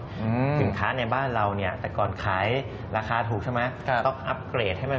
ถึงคะจากในบ้านเราแต่ก่อนขายราคาถูกใช่ไหม